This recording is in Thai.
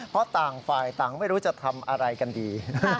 เพราะต่างฝ่ายต่างไม่รู้จะทำอะไรกันดี